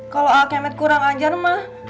kalau a'a kemet kurang ajar mah